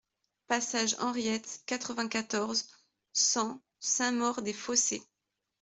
Passage Henriette, quatre-vingt-quatorze, cent Saint-Maur-des-Fossés